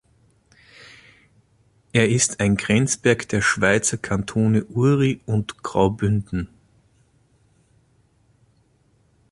Er ist ein Grenzberg der Schweizer Kantone Uri und Graubünden.